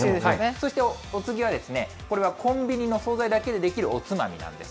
そしてお次は、これはコンビニの総菜だけで出来るおつまみなんです。